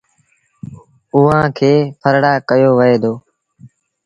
اُئآݩ کي ڦرڙآ ڪهيو وهي دو۔